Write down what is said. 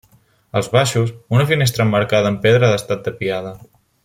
Als baixos, una finestra emmarcada amb pedra ha estat tapiada.